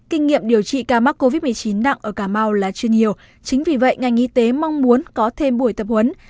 kinh nghiệm điều trị ca mắc covid một mươi chín nặng ở cà mau là chưa nhiều chính vì vậy ngành y tế mong muốn có thêm buổi tập huấn